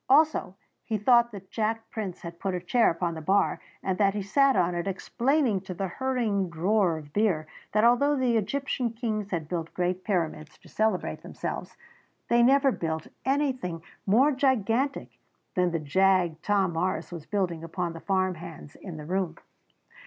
Also, he thought that Jack Prince had put a chair upon the bar and that he sat on it explaining to the hurrying drawer of beer that although the Egyptian kings had built great pyramids to celebrate themselves they never built anything more gigantic than the jag Tom Morris was building among the farm hands in the room.